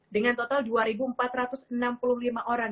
dengan total dua empat ratus enam puluh lima orang